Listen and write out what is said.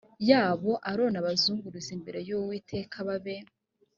yabo aroni abazungurize imbere y uwiteka babe